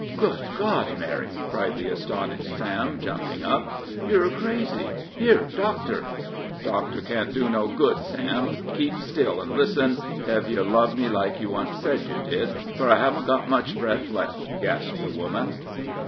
"Good God, Mary!" cried the astonished Sam, jumping up; "yure crazy here, doctor!" "Doctor can't do no good, Sam; keep still, and listen, ef yer love me like yer once said yer did; for I hevn't got much breath left," gasped the woman.